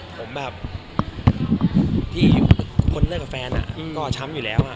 ผมแบบที่คนเลิกกับแฟนก็ช้ำอยู่แล้ว